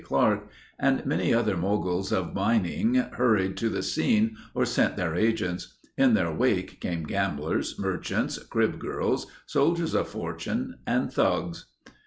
Clark, and many other moguls of mining hurried to the scene or sent their agents. In their wake came gamblers, merchants, crib girls, soldiers of fortune, and thugs.